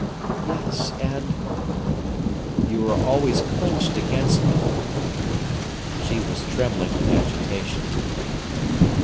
"Yes—and—" "You are always clenched against me." She was trembling with agitation.